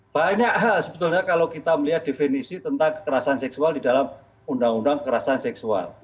banyak hal sebetulnya kalau kita melihat definisi tentang kekerasan seksual di dalam undang undang kekerasan seksual